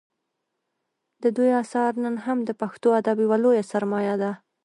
د دوی اثار نن هم د پښتو ادب یوه لویه سرمایه ده